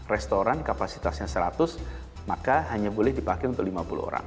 restoran kapasitasnya seratus maka hanya boleh dipakai untuk lima puluh orang